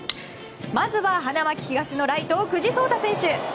まずは花巻東のライトの久慈颯大選手。